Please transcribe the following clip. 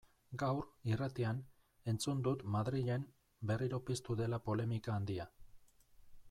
Gaur, irratian, entzun dut Madrilen berriro piztu dela polemika handia.